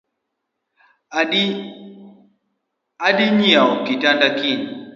Adii nyieo kitanda kiny